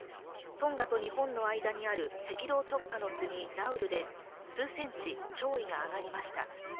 トンガと日本の間にある赤道直下の国、ナウルで数センチ潮位が上がりました。